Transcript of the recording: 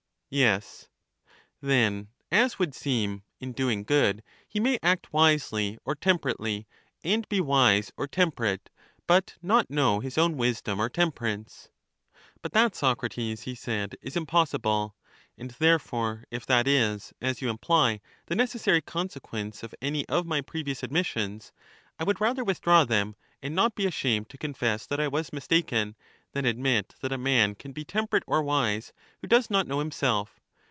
Yes. Then, as would seem, in doing good, he may act 24 CHARMIDES wisely or temperately, and be wise or temperate, but not know his own wisdom or temperance? But that, Socrates, he said, is impossible; and therefore if that is, as you imply, the necessary con sequence of any of my previous admissions, I would rather withdraw them, and not be ashamed to confess that I was mistaken, than admit that a man can be temperate or wise, who does not know himself.